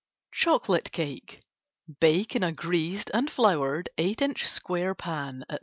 Chocolate Cake: Bake in a greased and floured 8 inch square pan at 350°F.